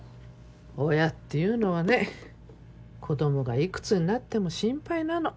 親っていうのはね子供が幾つになっても心配なの。